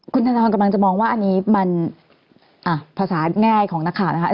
คุณธนทรกำลังจะมองว่าอันนี้มันภาษาง่ายของนักข่าวนะคะ